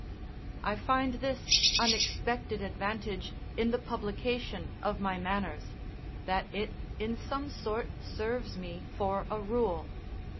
I find this unexpected advantage in the publication of my manners, that it in some sort serves me for a rule.